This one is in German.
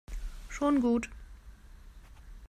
Schon gut.